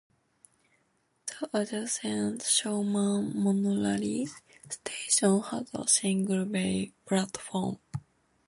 The adjacent Shonan Monorail station has a single bay platform.